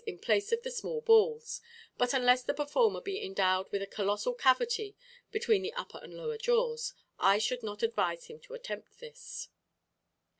in place of the small balls, but unless the performer be endowed with a colossal cavity between the upper and lower jaws, I should not advise him to attempt this.